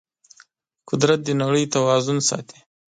قدرت د نړۍ توازن ساتي.